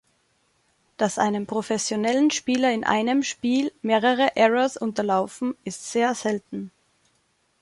Dass einem professionellen Spieler in einem Spiel mehrere Errors unterlaufen, ist sehr selten.